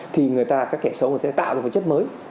thì người ta các kẻ xấu sẽ tạo ra một chất mới